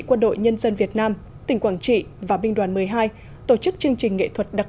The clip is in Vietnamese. quân đội nhân dân việt nam tỉnh quảng trị và binh đoàn một mươi hai tổ chức chương trình nghệ thuật đặc